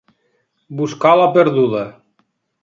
Buscar la perduda.